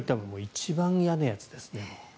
一番嫌なやつですね。